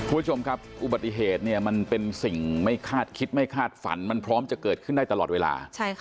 อุบัติเหตุเป็นสิ่งไม่คาดคิดไม่คาดฝันมันพร้อมจะเกิดขึ้นได้ตลอดเวลา